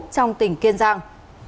trong tỉnh kiên giang